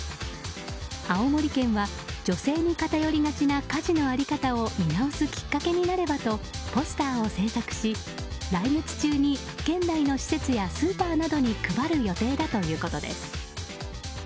青森県は女性に偏りがちな家事の在り方を見直すきっかけになればとポスターを制作し来月中に県内の施設やスーパーなどに配る予定だということです。